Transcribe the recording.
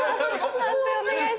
判定お願いします。